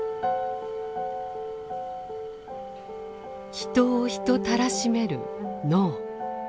人を人たらしめる脳。